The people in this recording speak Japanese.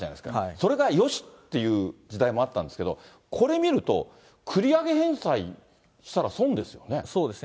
それがよしっていう時代もあったんですけれども、これ見ると、繰り上げ返済そうですね。